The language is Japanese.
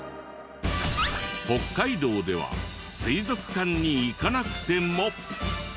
北海道では水族館に行かなくても。